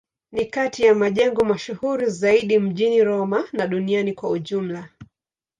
Ni kati ya majengo mashuhuri zaidi mjini Roma na duniani kwa ujumla.